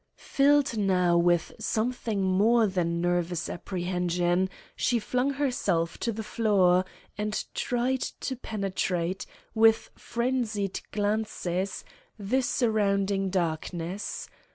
Filled now with something more than nervous apprehension, she flung herself to the floor, and tried to penetrate, with frenzied glances, the surrounding darkness.